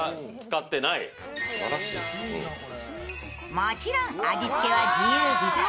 もちろん味付けは自由自在。